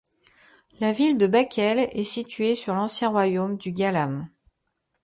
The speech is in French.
La ville de Bakel est située sur l'ancien royaume du Galam.